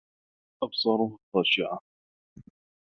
أَبصارُها خاشِعَةٌ